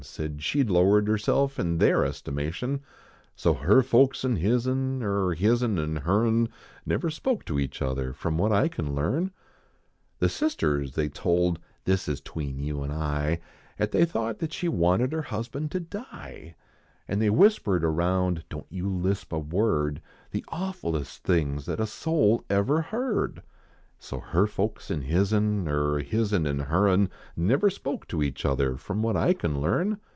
Said she d lowered herself in their estimation. So her folks an hiz n, Er hiz n an her n, Never spoke to each other From what I can learn. The sisters the} told this is tween you and I At they thought she wanted her husband to die ; An they whispered around but don t you lisp a word The awfulest things that a soul ever heard. IN I!I //\ 27 So her folks an hi/. n, Kr hiz n an her n, Never spoke to each oilier Prom what I can learn.